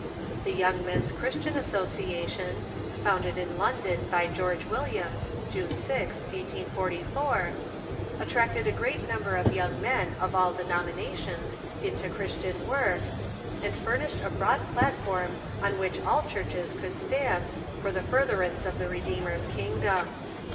The Young Men's Christian Association, founded in London by George AVilliams, June 6th, 1844, atti'acted a great number of young men of all denominations into Christian work, and furnished a broad plat form on which all churches could stand for the furtherance of the Redeemer's kingdom.